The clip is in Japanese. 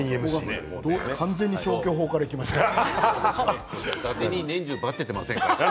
完全に消去法からいきましたよ。